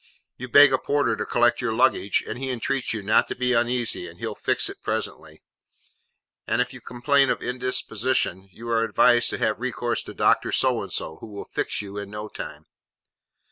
You beg a porter to collect your luggage, and he entreats you not to be uneasy, for he'll 'fix it presently:' and if you complain of indisposition, you are advised to have recourse to Doctor So and so, who will 'fix you' in no time.